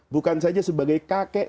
bukan saja sebagai kakek